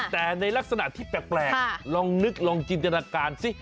แต่ในลักษณะที่แปลกลองนึกลองจินตนาการสิ